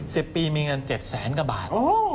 สิบปีมีเงิน๗๐๐๐๐๐กว่าบาท